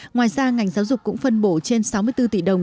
ngoài ra ngành giáo dục cũng phân bổ trên sáu mươi bốn tỷ đồng